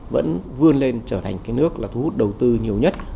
vẫn vươn lên trở thành cái nước là thu hút đầu tư nhiều nhất